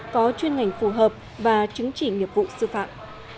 có chuyên ngành phù hợp và chứng chỉ nghiệp vụ sư phạm